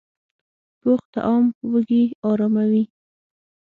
پوخ طعام وږې اراموي